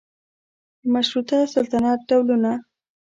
د مشروطه سلطنت ډولونه